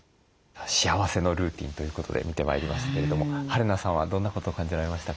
幸せのルーティンということで見てまいりましたけれどもはるなさんはどんなことを感じられましたか？